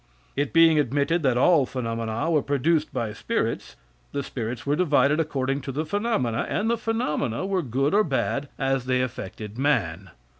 It being admitted that all phenomena were produced by spirits, the spirits were divided according to the phenomena, and the phenomena were good or bad as they affected man.